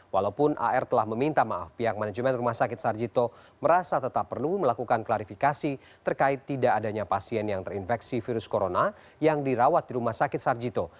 walaupun ar telah meminta maaf pihak manajemen rumah sakit sarjito merasa tetap perlu melakukan klarifikasi terkait tidak adanya pasien yang terinfeksi virus corona yang dirawat di rumah sakit sarjito